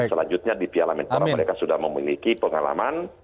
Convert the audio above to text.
selanjutnya di piala menpora mereka sudah memiliki pengalaman